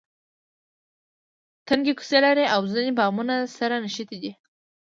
تنګې کوڅې لري او ځینې بامونه سره نښتي دي.